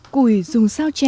cùi dùng sao trè